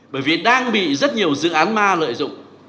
bởi vì đang bị rất nhiều dự án ma lợi dụng